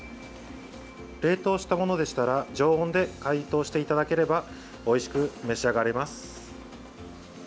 冷凍したものでしたら常温で解凍していただければおいしく召し上がれます。